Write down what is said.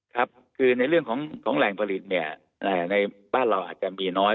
ครับคือในเรื่องของแหล่งผลิตเนี่ยในบ้านเราอาจจะมีน้อย